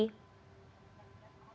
selamat sore pak diki